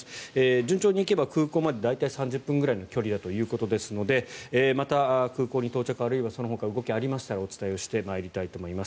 順調にいけば空港まで大体３０分くらいの距離だということですのでまた、空港に到着、あるいはそのほか動きがありましたらお伝えしてまいりたいと思います。